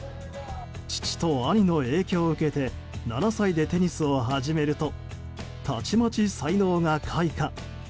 父と兄の影響を受けて７歳でテニスを始めるとたちまち才能が開花。